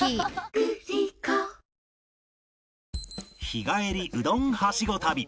日帰りうどんハシゴ旅